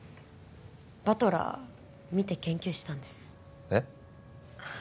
「バトラー」見て研究したんですえっ？